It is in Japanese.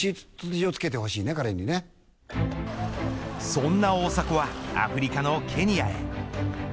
そんな大迫はアフリカのケニアへ。